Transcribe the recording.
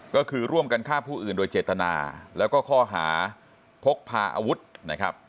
ก็คือร่วมกันฆ่าผู้อื่นโดยเจตนาแล้วก็ข้อหาพกพาอาวุธนะครับ